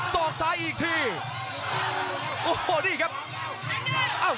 ศอกซ้ายอีกทีโอ้โหนี่ครับ